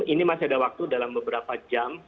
ini masih ada waktu dalam beberapa jam